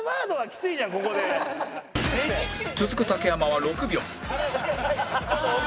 続く竹山は６秒